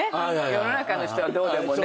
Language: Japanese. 世の中の人はどうでもね。